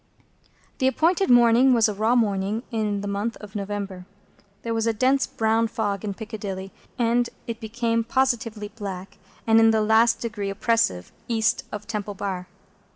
The appointed morning was a raw morning in the month of November. There was a dense brown fog in Piccadilly, and it became positively black and in the last degree oppressive East of Temple Bar.